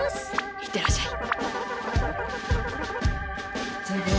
いってらっしゃい。